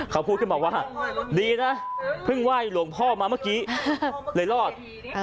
เขาพูดขึ้นมาว่าดีนะเพิ่งไหว้หลวงพ่อมาเมื่อกี้เลยรอด